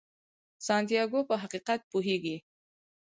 سانتیاګو په حقیقت پوهیږي.